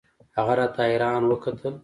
هغه راته حيران وکتل.